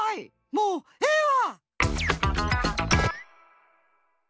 もうええわ！